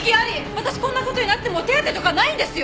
私こんな事になっても手当とかないんですよ。